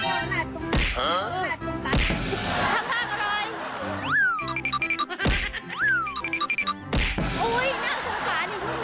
เขาเล่นอยู่ของหน้าตุ้มตัก